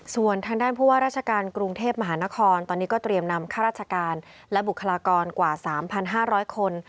ส่วนทางด้านผู้ว่าราชการกรุงเทพมหานครตอนนี้ก็เตรียมนำข้าราชการและบุคลากรกว่า๓๕๐๐คน